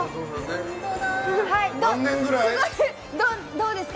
どうですか？